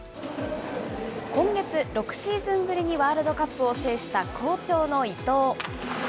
今月、６シーズンぶりにワールドカップを制した好調の伊藤。